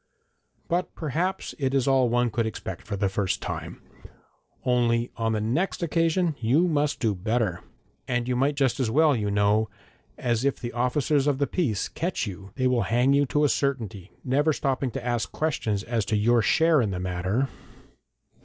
But perhaps it is all one could expect for the first time, only on the next occasion you must do better. And you might just as well, you know, as if the officers of the peace catch you they will hang you to a certainty, never stopping to ask questions as to your share in the matter.'